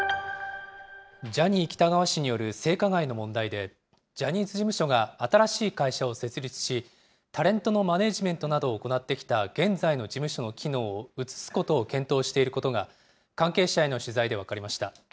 ジャニー喜多川氏による性加害の問題で、ジャニーズ事務所が新しい会社を設立し、タレントのマネージメントなどを行ってきた現在の事務所の機能を移すことを検討していることが、関係者への取材で分かりました。